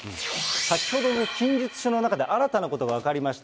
先ほどの陳述書の中で、新たなことが分かりました。